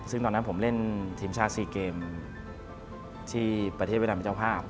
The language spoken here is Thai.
ซึ่งตอนนั้นผมเล่นทีมชาติซีเกมที่ประเทศเวียดนามเป็นเจ้าภาพ